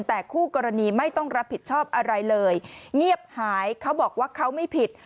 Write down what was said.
แต่คู่กรณีไม่ต้องรับผิดชอบอะไรเลยเงียบหายเขาบอกว่าเขาไม่ผิด